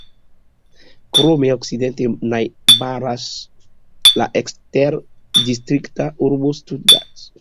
Krome okcidente najbaras la eksterdistrikta urbo Stuttgart.